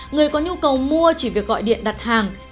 người có nhu cầu mua chỉ việc gọi điện đặt hàng